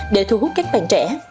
để thu hút các bạn trẻ